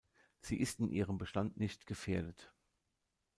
Sie ist in ihrem Bestand nicht gefährdet.